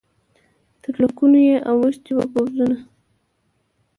تر لکونو یې اوښتي وه پوځونه